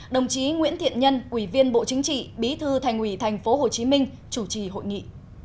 đồng chí nguyễn thiện nhân ủy viên bộ chính trị bí thư thành ủy tp hcm chủ trì hội nghị